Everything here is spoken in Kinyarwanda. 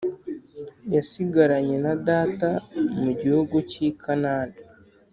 yasigaranye na data mu gihugu cy’i Kanani